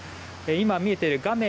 今、見えている画面